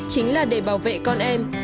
chính là để bảo vệ con em